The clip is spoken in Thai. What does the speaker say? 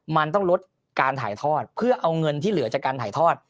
มันต้องลดการถ่ายทอดเพื่อเอาเงินที่เหลือจากการถ่ายทอด